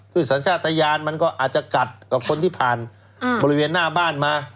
คือสัญชาติยานมันก็อาจจะกัดกับคนที่ผ่านบริเวณหน้าบ้านมา